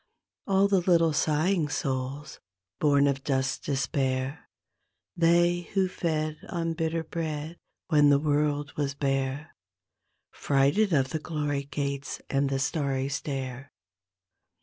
All the little sighing souls bom of dust's despair, They who fed on bitter bread when the world was bare, Frighted of the glory gates and the starry stair.